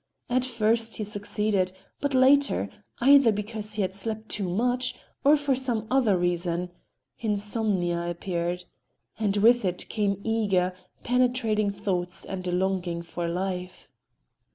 At first he succeeded, but later, either because he had slept too much, or for some other reason, insomnia appeared. And with it came eager, penetrating thoughts and a longing for life.